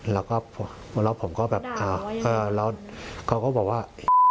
แล้วก็มาแล้วผมก็แบบแล้วเขาก็บอกว่า